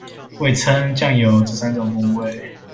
味噌、醬油這三種風味